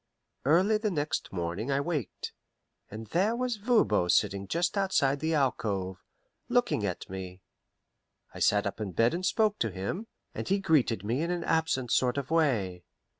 Early the next morning I waked, and there was Voban sitting just outside the alcove, looking at me. I sat up in bed and spoke to him, and he greeted me in an absent sort of way.